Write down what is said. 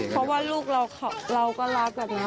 เพราะว่าลูกเราก็รัก